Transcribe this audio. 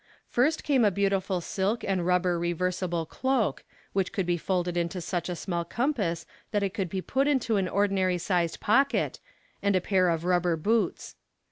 First came a beautiful silk and rubber reversible cloak, which could be folded into such a small compass that it could be put into an ordinary sized pocket, and a pair of rubber boots.